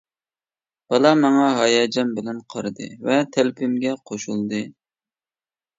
بالا ماڭا ھاياجان بىلەن قارىدى ۋە تەلىپىمگە قوشۇلدى.